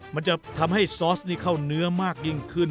มันจะทำให้ซอสนี่เข้าเนื้อมากยิ่งขึ้น